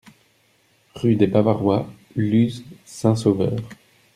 Rue des Bavarois, Luz-Saint-Sauveur